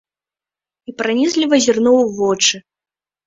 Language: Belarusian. І пранізліва зірнуў у вочы.